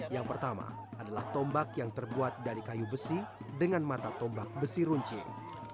yang pertama adalah tombak yang terbuat dari kayu besi dengan mata tombak besi runcing